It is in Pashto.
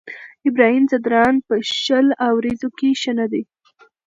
ابراهيم ځدراڼ په شل اوريزو کې ښه نه دی.